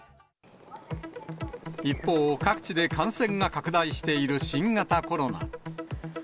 一方、各地で感染が拡大している新型コロナ。